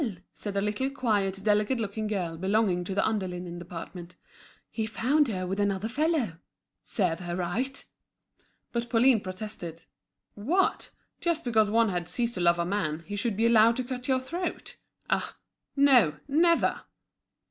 said a little quiet delicate looking girl belonging to the under linen department, "he found her with another fellow. Serve her right!" But Pauline protested. What! just because one had ceased to love a man, he should be allowed to cut your throat? Ah! no, never!